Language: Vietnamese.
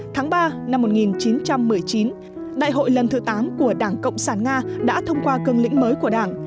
tháng ba năm một nghìn chín trăm một mươi chín đại hội lần thứ tám của đảng cộng sản nga đã thông qua cân lĩnh mới của đảng